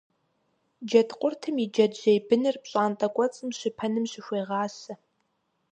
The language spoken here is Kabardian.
Джэдкъуртым и джэджьей быныр пщӀантӀэ кӀуэцӀым щыпэным щыхуегъасэ.